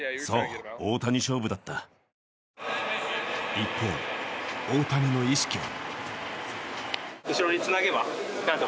一方大谷の意識は。